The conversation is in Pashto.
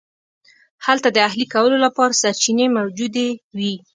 هلته د اهلي کولو لپاره سرچینې موجودې وې.